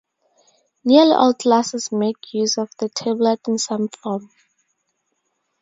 Nearly all classes make use of the tablet in some form.